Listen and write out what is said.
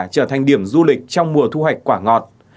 trở thành điểm du lịch trong mùa thu hoạch quả ngọt